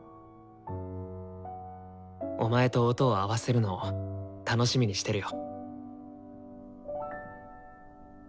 お前と音を合わせるのを楽しみにしてるよ。